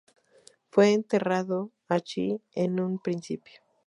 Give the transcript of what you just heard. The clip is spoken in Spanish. Fue enterrado allí en un principio.